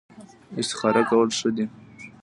استخاره کول ښه دي